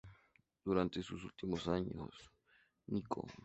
Durante sus últimos años nico.